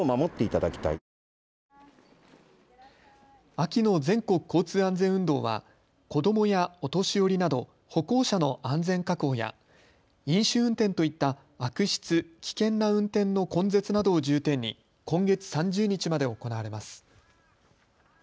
秋の全国交通安全運動は子どもやお年寄りなど歩行者の安全確保や飲酒運転といった悪質・危険な運転の根絶などを重点に今月３０日まで行われます。